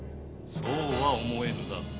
そうは思えぬな。